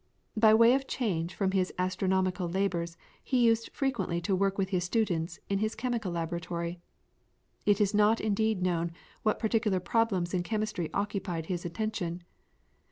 By way of change from his astronomical labours he used frequently to work with his students in his chemical laboratory. It is not indeed known what particular problems in chemistry occupied his attention.